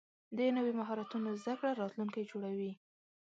د نوي مهارتونو زده کړه راتلونکی جوړوي.